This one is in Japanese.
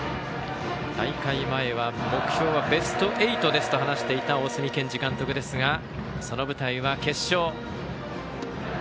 大会前は目標はベスト８ですと話していた大角監督ですがその舞台は決勝。